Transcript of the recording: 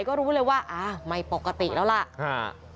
ก็รู้เลยว่าอ้าวไม่ปกติแล้วล่ะ